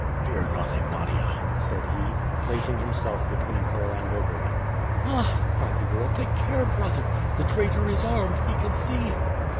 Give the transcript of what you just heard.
"Fear nothing, Nadia," said he, placing himself between her and Ogareff. "Ah!" cried the girl, "take care, brother! The traitor is armed! He can see!"